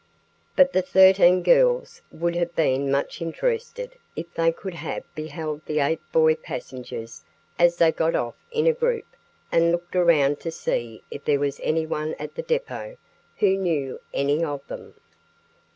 But the thirteen girls would have been much interested if they could have beheld the eight boy passengers as they got off in a group and looked around to see if there was anyone at the depot who knew any of them.